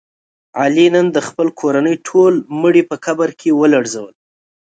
علي نن د خپلې کورنۍ ټول مړي په قبر کې ولړزول.